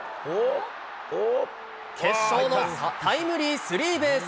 決勝のタイムリースリーベース。